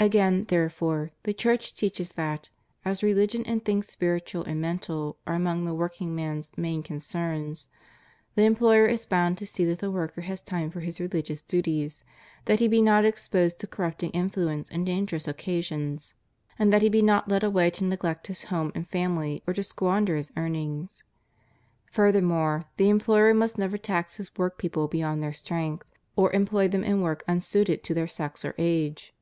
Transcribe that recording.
Again, therefore, the Church teaches that, as Religion and things spiritual and mental are among the workingman's main concerns, the employer is bound to see that the worker has time for his rehgious duties; that he be not exposed to corrupting influences and dangerous occasions ; and that he be not led away to neglect his home and family, or to squander his earnings. Furthermore, the employer must never tax his work people beyond their strength, or employ them in work unsuited to their sex or age.